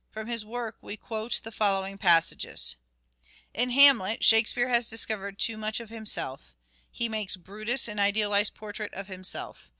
From this work we quote the following passages :—" In Hamlet Shakespeare has discovered too much of himself." He makes " Brutus an idealized portrait of himself."